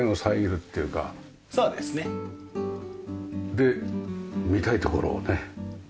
で見たい所をね。